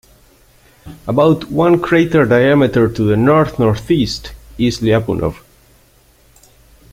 About one crater diameter to the north-northeast is Lyapunov.